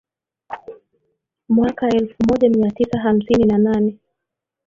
mwaka elfu moja mia tisa hamsini na nane